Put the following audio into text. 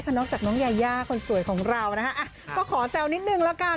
เป็นใครไปไม่ได้